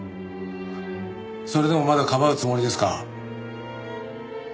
それでもまだかばうつもりですか？